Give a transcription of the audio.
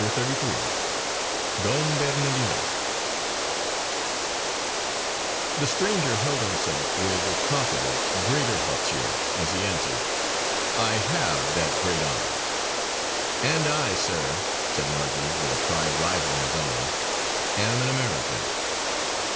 CHAPTER XXXIII DON BERNARDINO The stranger held himself with, if possible, greater hauteur as he answered: "I have that great honour." "And I, sir," said Marjory, with a pride rivalling his own, "am an American!"